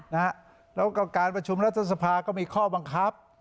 แล้วก็การประชุมรัฐสภาก็มีข้อบังคับ